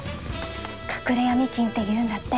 隠れヤミ金って言うんだって。